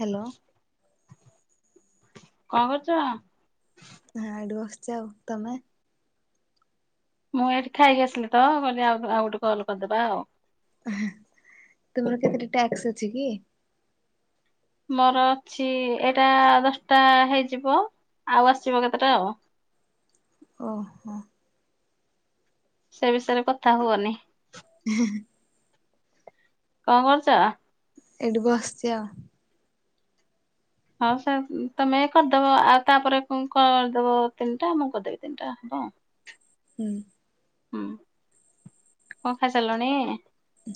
Hello. କଣ କରୁଚ? [unintelligible] ବସିଚି ଆଉ ତମେ? ମୁଁ ଏଇଠି ଖାଇକି ଆସିଲି ତ କହିଲି ଆ ଆଉ ଗୋଟେ କଲ କରିଦେବା ଆଉ। [unintelligible] ତୁମର କେତେ ଟ୍ୟାକ୍ସ ଅଛି କି? ମୋର ଅଛି ଏଇଟା ଦଶଟା ହେଇଯିବ। ଆଉ ଆସିିବ କେତେଟା ଆଉ। ଓହୋ। ସେ ବିଷୟରେ କଥା ହୁଅନି। କଣ କରୁଚ? ଏଇଠି ବସିଚି ଆଉ। ହଁ ସେ ତମେ କରିଦବ ଆଉ ତାପରେ କରିଦବ ତିନିଟା ମୁଁ କରିଦେବି ତିନିଟା ହଁ। ହୁଁ। ହୁଁ କଣ ଖାଇସାଲଣୀ?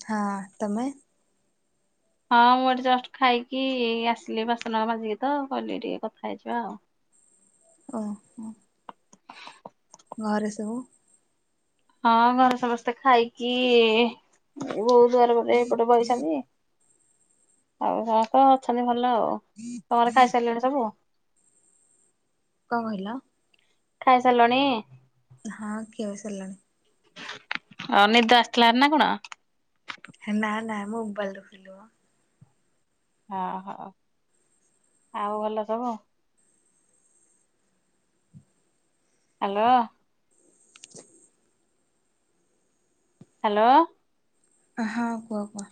ହଁ, ତମେ? ହଁ ମୁଁ ଏଠି ଜଷ୍ଟ ଖାଇକି ଆସିଲି ବାସନ ମାଜିକି ତ, କହିଲି ଟିକେ କଥା ହେଇଯିବା ଆଉ। ଓ ହୋ। ଘରେ ସବୁ? ହଁ ଘରେ ସମସ୍ତେ ଖାଇକି ବହୁ ଦୁଆର ମୁହଁରେ ଏଇପଟେ ବଇଛନ୍ତି, ଆଉ କ କଣ ଅଛନ୍ତି ଭଲ ଭଲ ଆଉ, ତମର ଖାଇସାରିଲଣି ସବୁ? କଣ କହିଲ? ଖାଇ ସାରିଲଣି? ହଁ ଖିଆ ସିରଲାଣି। ଅ ନିଦ୍ ଆସିଲାଣି ନା କଣ? ନା ନା ମୋବାଇଲ୍ ଦେଖୁଥିଲୁ ମ। ହଁ ହଉ, ଆଉ ଭଲ ସବୁ ଆଉ? ହ୍ୟାଲୋ। ହ୍ୟାଲୋ। ହଁ କୁହ କୁହ।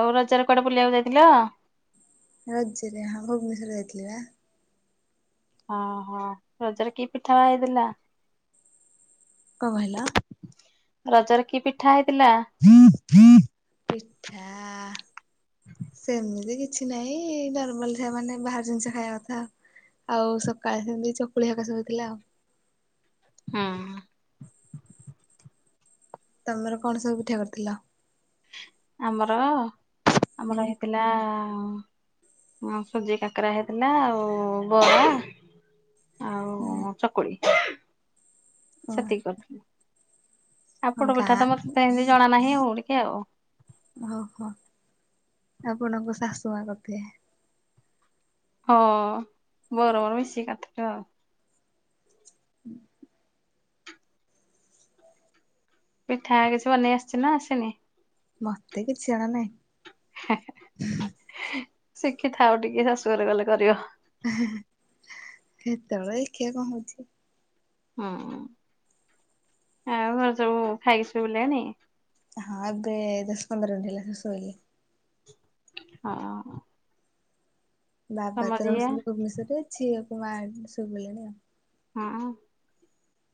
ଆଉ ରଜ ରେ କୁଆଡେ ବୁଲିବାକୁ ଯାଇଥିଲ? ରଜେରେ ହଁ ଭୁବନେଶ୍ୱର ଯାଇଥିଲି ବା। ଓ ହୋ ରଜରେ କି ପିଠା ହେଇଥିଲା? କଁ କହିଲ? ରଜରେ କି ପିଠା ହେଇ ପିଠା ସେମିତି କି କିଛି ନାଇଁ ନର୍ମାଲ ଖାଇବା ମାନେ ବାହାର ଜିନିଷ ଖାଇବା କଥା ଆଉ। ଆଉ ସକାଳେ ସେମିତି ଚକୁଳିହେକା ସବୁ ଥିଲା ଆଉ। ହୁଁ।। ତମର କଣ ସବୁ ପିଠା କରିଥିଲ? ଆମର ହୁଁ ଆମର ହେଇଥିଲା ହଁ ହୁଁ ସୁଜି କାକେରା ହେଇଥିଲା ଆଉ ବରା ହୁଁ ଆଉ ଚକୁଳି। ଓ ସେତିକି କରିଥିଲୁ। ଆଉ ହଁ ପୋଡ ପିଠା ଗାଁ ତ ମତେ ଏମତି ଜଣା ନାହିଁ ଆଉ ଟିକେ ଆଉ। ଓହୋ ଆପଣଙ୍କ ଶାଶୁ ମା କରିଥିବେ। ହଁ ବଡ ମୁଁ ମିଶିକି କରିଥିଲୁ ଆଉ। ହୁଁ। ପିଠା କିଛି ବନେଇ ଆସୁଛି ନା ଆସୁନି? ମତେ କିଛି ଜଣା ନାହିଁ। ହେ ହେ ହେ ଶିଖିଥାଅ ଟିକେ ଶାଶୁଘରେ ଗଲେ କରିବ। ଆ-ହା-ହା ସେତେବେଳେ ଦେଖିବା କଣ ହଉଛି। ହଁ, ଆଉ ଘରେ ସବୁ ଖାଇକି ଶୋଇଲେଣି? ହଁ ଏବେ ଦଶ ପନ୍ଦର ମିନିଟ୍ ହେଲା ସବୁ ଶୋଇଲେ। ହଁ। ବାବା ତମ ତ ଝିଅ? ରହୁଛନ୍ତି ଭୁବନେଶ୍ଵରରେ, ଝିଅକୁ ମା ଶୋଇପଡ଼ିଲେଣି ଆଉ। ହଁ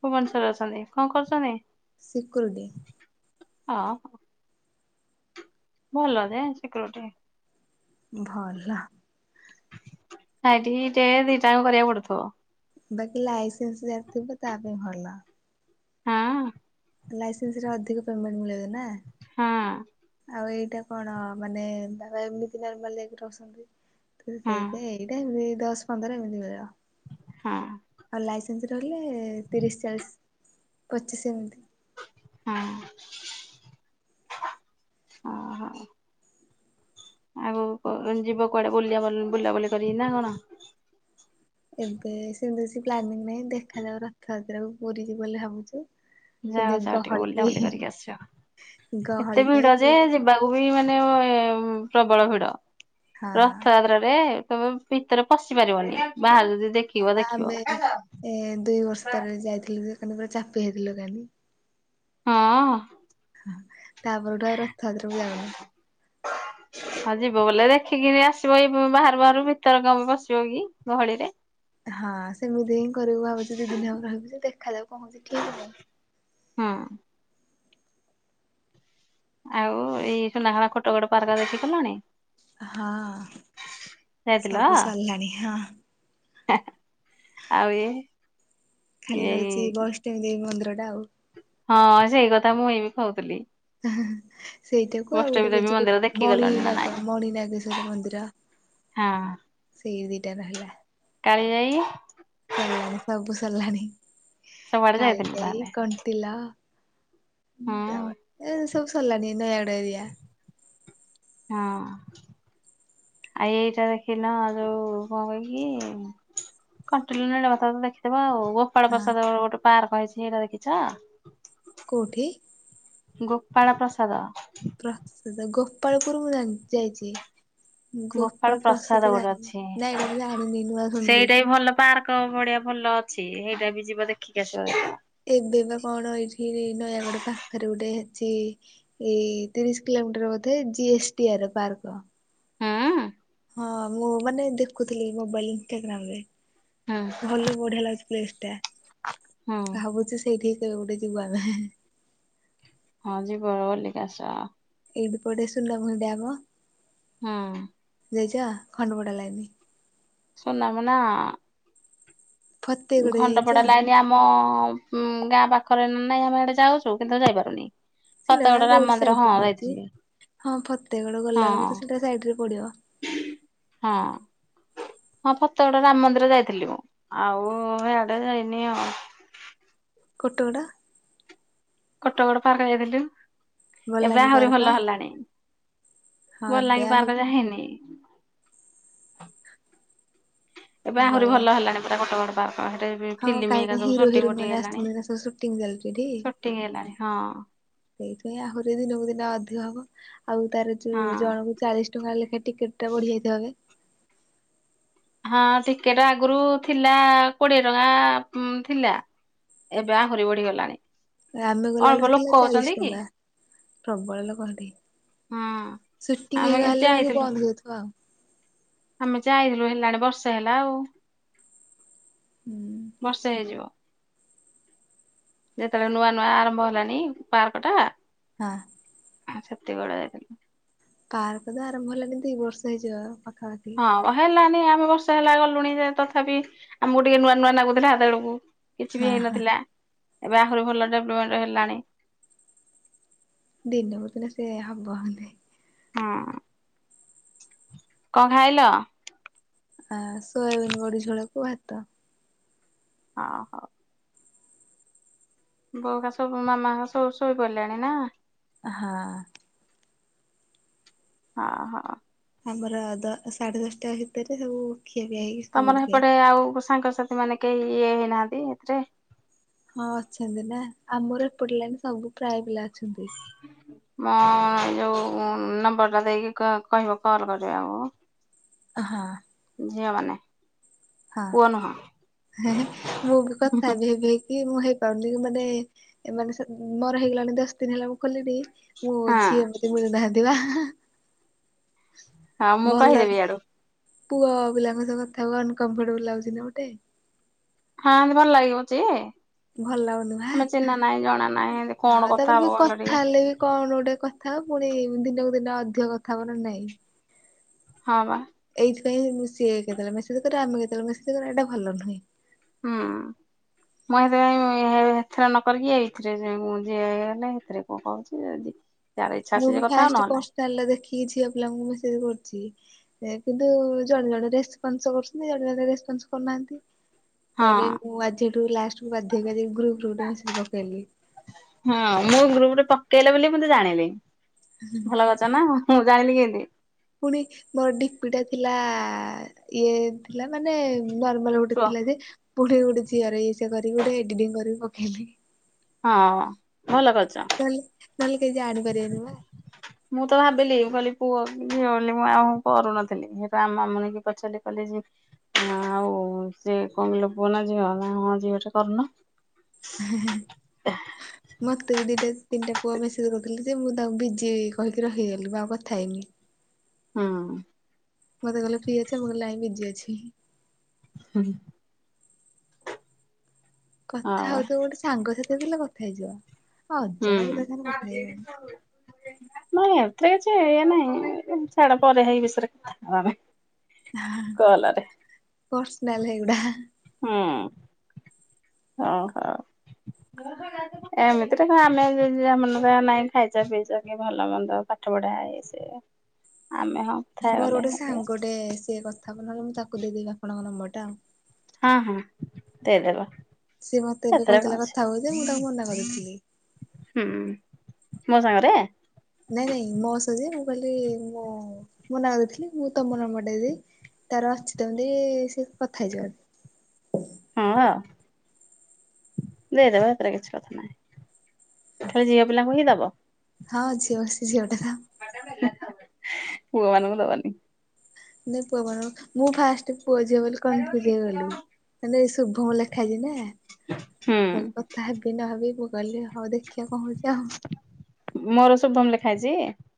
ଭୁବନେଶ୍ୱରରେ ଅଛନ୍ତି, କଣ କରୁଛନ୍ତି? ସିକ୍ୟୁରିଟି। ଆ ଭଲ ଯେ ସିକ୍ୟୁରିଟି। ଭଲ। ନାଇଟ ଡେ ଦିଟା ଯାକ କରିବାକୁ ପଡୁଥିବ। ବାକି ଲାଇସେନ୍ସ ଯାହାର ଥିବ ତା ପାଇଁ ଭଲ। ହଁ? ଲାଇସେନ୍ସରେ ଅଧିକ ପେମେଣ୍ଟ ମିଳବ ନା। ହଁ ଆଉ ଏଇଟା କଣ, ମାନେ ବାବା ଏମିତି ନର୍ମାଲି ଯାଇକି ରହୁଛନ୍ତି। ହଁ ସେଇଥିପାଇଁ ଏଇଟା ହିଁ ହୁଏ ଦଶ ପନ୍ଦର ଏମିତି ମିଳିବ। ହଁ। ଆଉ ଲାଇସେନ୍ସ ରହିଲେ ତିରିଶ ଚାଳିଶ ପଚିଶ ଏମିତି ହଁ, ଓ ହୋ। ଆଗକୁ କଉ ଯିବ କୁଆଡେ ବୁଲିବା-ବୁଲ ବୁଲାବୁଲି କରି ନା କଣ? ଏବେ ସେମିତି କିଛି ପ୍ଲାନିଂ ନାହିଁ, ଦେଖାଯାଉ ରଥଯାତ୍ରାକୁ ପୁରୀ ଯିବୁ ବୋଲି ଭାବୁଛି। ଯାଅ ଯାଅ ଟିକେ ବୁଲାବୁଲି କରିକି ଆସିବ, ବି ଏତେ ଗହଳି ପାଇଁ ଭିଡ ଯେ ଯିବାକୁ ବି ମାନେ ହୁଏ ପ୍ରବଳ ଭିଡ, ହଁ ରଥଯାତ୍ରାରେ ତମେ ଭିତରେ ପଶି ପାରିବନି, ବାହାରୁ ହଁ ବା ଆମେ ଏ ଦୁଇ ବର୍ଷ ତଳେ ଯାଇଥିଲୁ ଯେ ମାନେ ପୁରା ଚାପି ହେଇଥିଲୁ ଖାଲି। ହଁ? ତାପରଠୁ ଆଉ ରଥଯାତ୍ରାକୁ ଯାଉନୁ। [unintelligible] ହଁ ଯିବ ବୋଲେ ଦେଖିକିରି ଆସିବ ଏଇ ବାହାରୁ ବାହାରୁ, ଭିତର କଣପାଇଁ ପଶିବ କି ଗହଳିରେ? ହଁ ସେମିତି କରିବୁ ଭାବୁଛୁ ଦି ଦିନ ହବ ରହିବୁ ଯେ ଦେଖାଯାଉ କଣ ହଉଛି ଠିକ ନାହିଁ। ହୁଁ ଆଉ ଏଇ ସୁନାଖଳା କୋଟଗଡ ପାର୍କ ଦେଖି ଗଲଣି? ହଁ ଯାଇଥିଲ ସବୁ ସରିଲାଣି। ହଁ, [unintelligible] ଆଉ ଏ-ଏଇ ଡ଼ାଉ ହଁ ସେଇ କଥା ମୁଁଇ ବି କହୁଥିଲି। ଇଁ ହି ହି ସେଇଟାକୁ ଆଉ ବୈଷ୍ଣବୀ ଗୋଟେ ଦେବୀ କହୁଛି ମନ୍ଦିର ଦେଖି ଗଲଣି ନା ନାଇଁ? ମଣିନାଗ ମଣି ନାଗେଶ୍ଵର ମନ୍ଦିର ହଁ ସେଇ ଦି ଟା ରହିଲା। କାଳିଜାଇ? ସରିଲାଣି ସବୁ ସରିଲାଣି। ସବୁଆଡେ ଯାଇଥିଲୁ କାଳିଜାଇ, ତାହେଲେ। କଣ୍ଟିଲୋ ହୁଁ ତା ବାଦ ସବୁ ସରିଲାଣି ଏଇ ନୟାଗଡ ଏରିଆ। ହଁ ଅଁ ଆ ଏଇଟା ଦେଖିନ ଯୋଉ କଉଟା କି କଣ୍ଟିଲୋ ନୀଳମାଧବ ତ ଦେଖିଥିବ ଆଉ। ହଁ ଗୋପାଳପ୍ରସାଦରେ ଗୋଟେ ପାର୍କ ହେଇଛି ହେଇଟା ଦେଖିଛ? କଉଠି? ଗୋପାଳ ପ୍ରସାଦ ଗୋପଳପୁର ମୁଁ ଜାଣି-ଯାଇଛି। ଗୋପାଳ ପ୍ରସାଦ ଗୋଟେ ଅଛି ନାଇଁ ଏଇଟା ମୁଁ ଜାଣିନି ନୂଆ ଶୁଣିଲି ସେଇଟା ବି ଭଲ ପାର୍କ ଭଳିଆ। ଭଲ ଅଛି ହେଇଟା ବି ଯିବ ଦେଖିକି ଆସିବ ଭାରି। ଏବେ ବା କଣ ଏଇଠି ନୟାଗଡ ପାଖରେ ଗୋଟେ ଅଛି ଏଇ ତିରିଶି କିଲ ମିଟର ବୋଧେ ଜିଏସ୍ଟି୍ ଆର ର ପାର୍କ। ହୁଁ ଉଁ ହଁ ମୁଁ ମାନେ ଦେଖୁଥିଲି ମୋବାଇଲ ଇନଷ୍ଟାଗ୍ରାମ ରେ। ହୁଁ ଭଲ ବଢିଆ ଲାଗୁଛି ପ୍ଲେସ ଟା ହୁଁ ଭାବୁଛି ସେଇଠି ଏଉପଟେ ଯୁିବଆମେ ହେ ହେ ହେ ହେ ହଁ ଯିବ ର ବୋଲିକି ଆସ। ଏଇଠି ପଟେ ସୁଲଭ ଡ୍ୟାମ। ହୁଁ ଯାଇଛ ଖଣ୍ଡପଡା ଲାଇନି? ସୁନାାମ ନା ଫତେଗଡ ଯାଇଛ ଖଣ୍ଡପଡା ଲାଇନି ଆମ ଅଁ ଗାଁ ପାଖ ପାଖରେ ନାଁ ନାଇଁ ଆମେ ହିଆଡେ ଯାଉଛୁ କିନ୍ତୁ ଯାଇପାରୁନି। ସିଇଟା ପା ଫତେଗଡ ରାମ ରୋଡ ମନ୍ଦିର ହଁ ସାଇଡରେ ପଡୁଚି ଯାଇଥିଲି ହଁ ଫତେ ଫତେବେଡ ହଁ ଗଲାବେଳକୁ ତ ସେଇଟା ସାଇଟ୍ ରେ ପଡିବ। ହ [inaudible] ହଁ ଫତେ ଗଡ ରାମ ମନ୍ଦିର ଯାଇଥିଲି ମୁଁ ଆଉ ହେଇ ଆଡେ ଯାଇନି ଆଉ କଟୋ ଗଡା କଟଗଡ ପାର୍କ ଯାଇଥିଲୁ ଏବେ ବଲାଙ୍ଗୀ ଆହୁରି ପାର୍କ ଭଲ ହେଲାଣି। ହଁ ଏବେ ବଲାଙ୍ଗୀ ଆଉ ପାର୍କ ଯା ହେଇନି। ଏବେ ଆହୁରି ଭଲ ହେଲାଣି ପୁରା କଟଗଡ଼। ହଁ କାଇଁ ହିରୋ ହିରୋଇନ ଫୁଟିଂ ମାନେ ହେଲାଣି। ଆସୁଛନ୍ତି ବୋଲି ଶୁଣ୍ଟି ଚାଲିଛି ଏଠି। ସୁଟିଂ ହେଲାଣି ହଁ ସେଇଥିପାଇଁ ଆହୁରି ଦିନକୁ ଦିନ ଅଧିକ ହବ। ଆଉ ତାର ହଁ। ଯୋଉ ଜଣଙ୍କୁ ଚାଳିଶ ଟଙ୍କା ଲେଖାଏଁ ଟିକେଟ୍ ଟା ବଢି ଯାଇଥିଵ ଏବେ। ହଁ ଟିକେଟ ଆଗରୁ ଥିଲା କୋଡିଏ ଟଙ୍କା ଉଁ ଥିଲା। ଏବେ ଆହୁରି ହରି ବଢି ଗଲାଣି। ଆମେ ଗଲାବେଳକୁ ଥିଲା ଚାଳିଶ ଟଙ୍କା ପ୍ରବଳ ଲୋକୋ ହଁନ୍ତି। ହୁଁ ସୁଟିଂ ଆମେ ହେକ ହେଲା ବାକି ଯାଇଥିଲୁ। ବନ୍ଦ ହେଇଯାଉଥିବ ଆଉ। ଆମେ ଯାଇଥିଲୁ ହେଲାଣି ବର୍ଷେ ହେଲା ଆଉ ହୁଁ ବର୍ଷେ ହେଇଯିବ। ଯେତେବେଳେ ନୂଆ ନୂଆ ଆରମ୍ଭ ହେଲାନି ପାର୍କ ଟା ହଁ। ହଁ ସେତିକି ବେଳେ ଜାଇଥିଲି। ପାର୍କ ତ ଆରମ୍ଭ ହେଲା ଦିନଠୁ ଏଇ ବର୍ଷା ହେଇଯିବ ଆଉ ହଁ ହେଲାଣିି ଦୁଇ ବର୍ଷ ହେଲା ଗଲୁଣି ଯେ ତଥାପି ଆମକୁ ଟିକେ ନୂଆ ନୂଆ ଲାଗୁଥିଲା ସେଡୁକୁ କିଛି ବି ହଁ ହଁ। ହେଇନଥିଲା ଏବେ ଆହୁରି ଭଲ ଡେଭଲପମେଣ୍ଟ୍ ହେଲାଣି। ଦିନ କୁ ଦିନ ସେ ହବ ହେଲେ। ହଁ କଣ ଖାଇଲ? ଆ ସୋୟାବିନ୍ ବଡି ଝୋଳକୁୁ ଭାତ। ହ ହଉ। ବୋଉ ହା ସବୁ ମାମା ହା ସବୁ ସୋଇ ପଇଲେଣି ନା? ହଁ। ହଁ ହଁ। ଆମର ଦ ସାଢ଼େ ଦଶଟା ଭିତରେ ସବୁ ଖିଆ ପିଆ ହେଇକି ଶୋଇ ତମର ପଡିଥାଏ। ସେପଟେ ଆଉ ସାଙ୍ଗସାଥି ମାନେ କେହି ଇଏ ହେଇନାହାନ୍ତି ଏଥିରେ? ହଁ ଅଛନ୍ତି ନା ଆମର ଏପଟ ଲାଇନରେ ସବୁ ପ୍ରାୟ ପିଲା ଅଛନ୍ତି। ମୁଁ ଯୋଉ ନମ୍ବର ଟା ଦେଇକି କ କହିବ କଲ୍ କରିଆକୁ ଆଁ ହା, ଝିଅମାନେ। ହଁ ହେଁ ହେଁ ମୁଁ ବି କଥା ହେବି ହେବିକି ମୁଁ ହେ କହିଲି ମାନେ ମାନେ-ସେ ମୋର ହେଇଗଲାଣି ଦଶ ଦିନ ହେଲା ମୁଁ କଲିଣି ପୁଅ ହଁ ଝିଅ ଏମତି ମିଳୁନାହାନ୍ତି ବା। ହଁ ମୁଁ ଭଲ ଲାଗୁ କହିଦେବି ଇଆଡୁ। ପୁଅ ପିଲାଙ୍କ ସହ କଥା ହବାକୁ ଅନକମ୍ଫଟେବଲ ଲାଗୁଛି ନା ଗୋଟେ। ହଁ ଭଲ ଲାଗିବ ଯେ ଭଲ ଲାଗୁନି ଆମେ ଚିହ୍ନା ନାହିଁ ଜଣା ନାହିଁ ଏମିତି ପା କଣ ହଁ କଥା ହବ ତାପରେ କହିଲ କଥା ଟିକେ? ହେଲେ ବି କଣ ଗୋଟେ କ ଥା ପୁଣି ଦିନକୁ ଦିନ ଅଧିକ କଥା ହବ ନାହିଁ? ହଁ ପା। ଏଇଥିପାଇଁ ସିଏ କେତେବେଳେ ମେସେଜ ଆମେ କେତେବେଳେ ମେସେଜ କରିବା ଏଇଟା ଭଲ ନୁହେଁ। ହୁଁ। ମୁଁ ସେଥିପାଇଁ ଏ-ଏ-ଏଥିରେ ନକରିକି ଏଇଥିରେ ଯିଏ ହେଲେ ଏଥିରେ କୋଉ କୋହୁଚି ଯଦି ଯାହାର ଇଚ୍ଛା ମୁଁ ଅଛି ସେ ବି କଥା ହଉ ଫାଷ୍ଟ ନହେଲେ ନାଇଁ ପର୍ଶିନାଲରେ ଦେଖିକି ଝିଅ ପିଲାଙ୍କୁ ମେସେଜ କରୁଚି। କିନ୍ତୁ ଜଣେ ଜଣେ ରେସ୍ପନସ୍ କରୁଚନ୍ତି ଜଣେ ଜଣେ ରେସ୍ପନସ୍ କରୁନାହାନ୍ତି। ଥରେ ହଁ। ମୁଁ ଆଜିଠୁ ଲାଷ୍ଟ ବାଧ୍ୟ କରି କି ଗ୍ରୁପ୍ ରୁ ଗୋଟେ ମେସେଜ ପକେଇଲି। ହଁ ମୁଁ ଗ୍ରୁପ୍ ରେ ଟେ ଲେ ବୋଲି ମୁଁ ତ ଜାଣିଲି ଭଲ କଥା ନା ମୁଁ ଜାଣିଲି କିନ୍ତି। ଫୁଣି ମୋର ଡି ପି ଟା ଥିଲା ଇଏ ଥିଲା ମାନେ ନର୍ମାଲ ଗୋଟେ କୁହ ଥିଲା ଯେ ପୁଣି ଗୋଟେ ଝିଅର ଏସେ ଏଡିଟିଙ୍ଗ କରି ପକେଇଲି। ହଁ। ଭଲ କରିଚ ନହେଲେ ନହେଲେ କେହି ଜାଣିପାରିବେନି ବା। ମୁଁ ତ ଭାବିଲି ମୁଁ କହିଲି ପୁଅ କି ଝିଅ ବୋଲି ମୁଁ ଆମ କରୁନଥିଲି ହେଥି ପାଇଁ ଆମ ମାମୁନି କି ପଚାରିଲି କହିଲି ଯେ ଆଉ ସିଏ କହିଲେ ପୁଅ ନା ଝିଅ ହଁ ଝିଅ ଟେ କରୁନ। ହେ ହେ ମୋତେ ବି ଦିଇଟା ତିନିଟା ପୁଅ ମେସେଜ କରିଥିଲେ। ଯେ ମୁଁ ତାଙ୍କୁ ବିଜି କହିକି ରହିଗଲି। ମୁଁ ଆଉ କଥା ହେଇନି। ହୁଁ। ମତେ କହିଲେ ଫ୍ରି ଅଛ ମୁଁ କହିଲି ନାଇଁ ବିଜି ଅଛି। ହୁଁ। କଥା ବା ହୋଉଥିବ ଗୋଟେ ସାଙ୍ଗ ସହିତ ଥିଲେ କଥା ହେଇଯିବ। ହୁଁ ଅଜାଣା ପିଲା ସାଙ୍ଗରେ ମା କଥା [unintelligible] ହେଇ ହବନି। ଏଇୟା ନାହିଁ ଛାଡ଼ ପରେ ହେଇ ବିଷୟରେ କଥା ହବା ଆମେ। ହା ହା ହା କଲରେ। ପର୍ସନାଲ ହେଗୁଡ଼ା। ହୁଁ ଓ ହୋଉ। ଏମିତିରେ ତ ଆମେ ଯା ମନରେ ନାହିଁ ଖାଇଚ ପିଇଚ କି ଭଲ ମନ୍ଦ କି ପାଠ ପଢ଼ା ଇଏ ସିଏ। ଆମେ ହଁ କଥା ମୋର ହେଇଗଲେ ଗୋଟେ ସାଙ୍ଗ ଟେ ସସିଏ କଥା ହବ ତାକୁ ଦେବି ଆପଣଙ୍କ ନମ୍ୱର ଟା ଆଉ। ହଁ ହଁ ଦେଇଦେବ। ସିଏ ମତେ ଏବେ କୋହୁଥିଲା କଥା ହବ ଯେ ମୁଁ ତାକୁ ମନା କରିଥିଲି। ହୁଁ ମୋ ସାଙ୍ଗରେ ନାଇଁ ନାଇଁ ମୋ ସହ [unintelligible] ମୁଁ କହିଲି ମୁଁ ମନା କଲି ମୁଁ ତମ ନମ୍ୱର ଦେଇଦେବି। ତାର ଅଛି ତ ଏମିତି ସେ କଥା ହେଇଯାଉ। ହଁ ଆ ଦେଇ ଦେବା ହେଥିରେ କିଛି କଥା ନାହିଁ। ଖାଲି ଝିଅ ପିଲାଙ୍କୁ ହିଁ ଦବ। ହଁ ଝିଅ ସେ ଝିଅ ପୁଅ ମାନଙ୍କୁ ଦବନି। ନା ପୁଅ ମାନଙ୍କୁ ମୁଁ ଫାଷ୍ଟ ପୁଅ ଝିଅ ବୋଲି କନ୍ଫ୍ୟୁଜ୍ ହେଇଗଲି ମାନେ ଶୁଭମ୍ ଲେଖା ହୁଁ ହେଇଛିନା। କଥା ହେବି ନହେବି ମୁ କହିଲି ହଉ ଦେଖିବା କଣ ହୋଉଛି ଆଉ। ମୋର ଶୁଭମ ଲେଖା ଏଇଚି।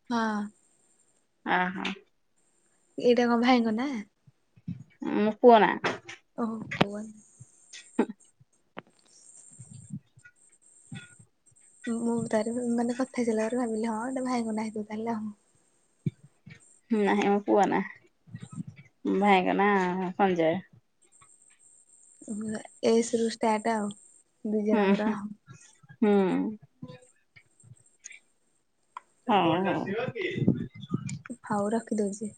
ହଁ। ହଁ ହଁ। ଏଇଟା କଣ ଭାଇଙ୍କ ନା? ହଁ କୁହନା। ଓହୋ ପ [unintelligible] ହଁ। ମୁଁ ତାର ମାନେ କଥା ହେଇସାରିଲା ପରେ ଭାବିଲି ହଁ ଭାଇଙ୍କ ନା ହେଇଥିବ ତାହେଲେ ନା ଇଏ ମୋ ପୁଅ ନାଁ। ଭାଇଙ୍କ ନାଁ ସଂଜୟ। ଏସ୍ ରୁ ଷ୍ଟାର୍ଟ। ଦି ଜଣଙ୍କର ଆଉ ହୁଁ-ହୁ-ହୁଁ। ହଁ-ହଁ। ହଉ ରଖି ଦଉଛି।